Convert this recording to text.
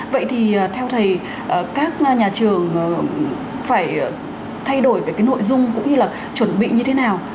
vậy thì theo thầy các nhà trường phải thay đổi về cái nội dung cũng như là chuẩn bị như thế nào